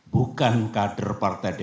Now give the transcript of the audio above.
hal ini ottoman bank